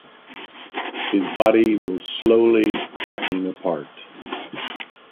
His body was slowing cracking apart.